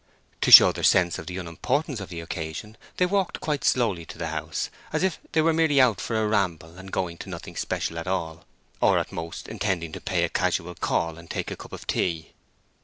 To show their sense of the unimportance of the occasion, they walked quite slowly to the house, as if they were merely out for a ramble, and going to nothing special at all; or at most intending to pay a casual call and take a cup of tea.